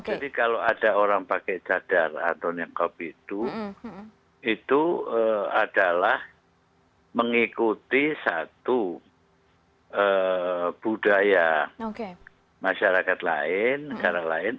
jadi kalau ada orang pakai cadar atau nikab itu itu adalah mengikuti satu budaya masyarakat lain negara lain